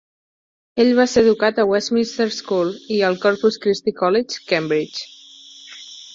Ell va ser educat a Westminster School i al Corpus Christi College, Cambridge.